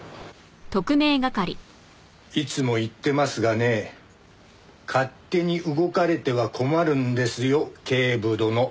いつも言ってますがね勝手に動かれては困るんですよ警部殿。